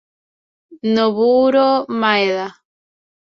Nobuhiro Maeda